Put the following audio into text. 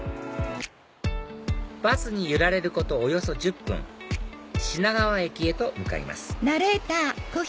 バスに揺られることおよそ１０分品川駅へと向かいます